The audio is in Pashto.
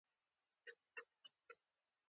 غربې قدرتونو همغږۍ په وجه میدان تنګ شوی.